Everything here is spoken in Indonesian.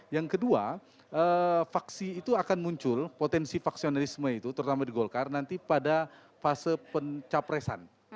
yang kedua faksi itu akan muncul potensi faksionalisme itu terutama di golkar nanti pada fase pencapresan